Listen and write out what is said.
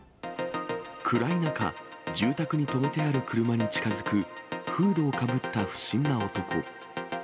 暗い中、住宅に止めてある車に近づくフードをかぶった不審な男。